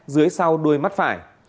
dưới sau đuôi mắt phải